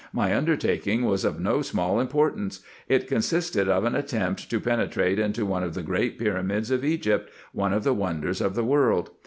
My undertaking was of no small importance : it consisted of an attempt to pe netrate into one of the great pyramids of Egypt, one of the wonders of the world.